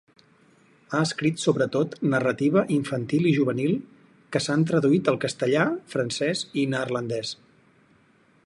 Ha escrit sobretot narrativa infantil i juvenil que s'han traduït al castellà, francès i neerlandès.